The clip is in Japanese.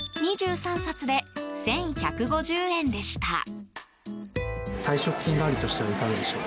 ２３冊で１１５０円でした。